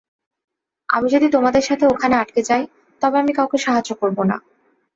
আমি যদি তোমাদের সাথে ওখানে আটকে যাই, তবে আমি কাউকে সাহায্য করব না।